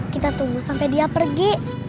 kita tunggu sampai dia pergi